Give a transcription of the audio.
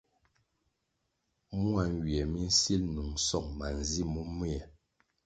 Mua nywie mi nsil nung song manzi momea ri.